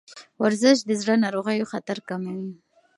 ورزش د زړه ناروغیو خطر کموي.